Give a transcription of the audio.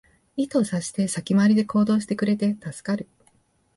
意図を察して先回りで行動してくれて助かる